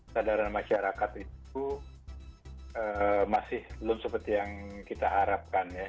sadaran masyarakat itu masih belum seperti yang kita harapkan ya